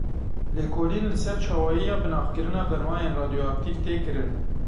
Lêkolîn li ser çawayiya binaxkirina bermayên radyoaktîv tê kirin.